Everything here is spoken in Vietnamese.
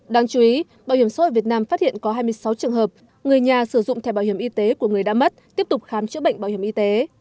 đáng chú ý bảo hiểm xã hội việt nam phát hiện có hai mươi sáu trường hợp người nhà sử dụng thẻ bảo hiểm y tế của người đã mất tiếp tục khám chữa bệnh bảo hiểm y tế